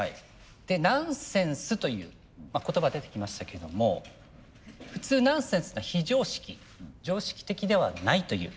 で「ナンセンス」という言葉出てきましたけども普通「ナンセンス」は「非常識」「常識的ではない」という。